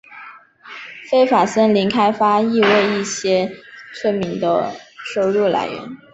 非法森林开发亦为一些村民的收入来源。